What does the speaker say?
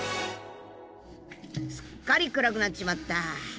すっかり暗くなっちまった。